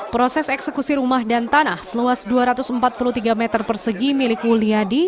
proses eksekusi rumah dan tanah seluas dua ratus empat puluh tiga meter persegi milik wuliadi